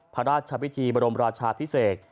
พระราชพิธีบรมราชาพิเศษ